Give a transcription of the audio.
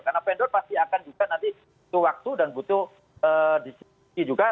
karena vendor pasti akan juga nanti butuh waktu dan butuh disisi juga